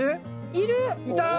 いた！